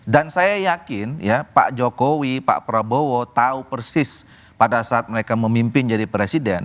dan saya yakin ya pak jokowi pak prabowo tahu persis pada saat mereka memimpin jadi presiden